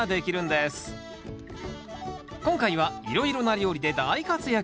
今回はいろいろな料理で大活躍